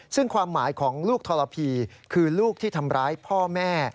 ซึ่งความหมายของลูกทรพีคือลูกที่ทำร้ายพ่อแม่